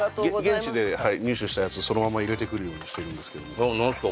現地で入手したやつそのまま入れてくるようにしてるんですが何すか？